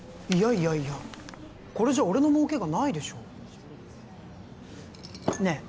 いやいやこれじゃ俺の儲けがないでしょねえ